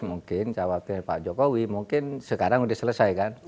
mungkin cawapresnya pak jokowi mungkin sekarang sudah selesai kan